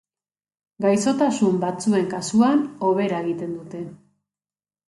Gaixotasun batzuen kasuan, hobera egiten dute.